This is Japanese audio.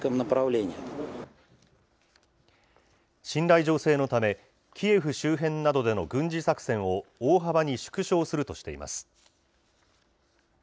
信頼醸成のため、キエフ周辺などでの軍事作戦を大幅に縮小するとしています。